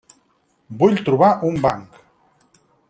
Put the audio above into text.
Vull trobar un banc.